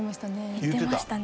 言ってましたね。